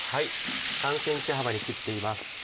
３ｃｍ幅に切っています。